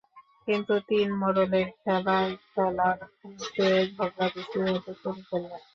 কিন্তু তিন মোড়লের খেলায় খেলার চেয়ে ঝগড়া বেশি হতে শুরু করল।